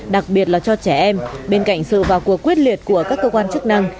đặc biệt là cho trẻ em bên cạnh sự vào cuộc quyết liệt của các cơ quan chức năng